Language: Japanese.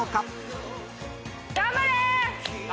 頑張れ！